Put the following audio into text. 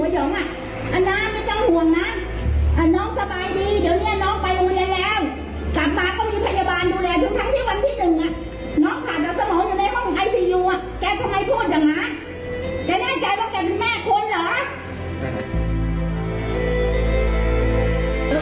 แกทำไมพูดอย่างนั้นแกแน่ใจว่าแกเป็นแม่คนหรือ